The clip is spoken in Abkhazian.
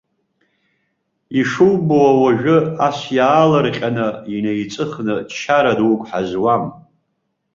Ишубо уажәы ас иаалырҟьаны, инеиҵыхны чара дук ҳазуам.